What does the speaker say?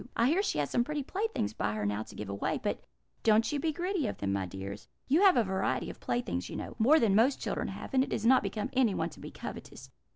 I hear she has some pretty playthings by her now to give away; but don't you be greedy of them, my dears. You have a variety of playthings, you know more than most children have, and it does not become anyone to be covetous.